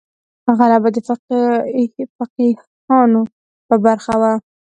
غلبه د فقیهانو په برخه وه.